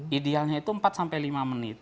idealnya itu empat sampai lima menit